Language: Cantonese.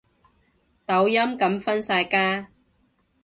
抖音噉分晒家